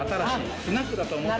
スナックだと思って。